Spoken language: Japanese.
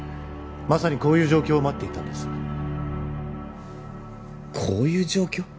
まさにこういう状況を待っていたんですこういう状況！？